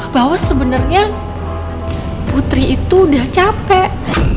bahwa sebenarnya putri itu udah capek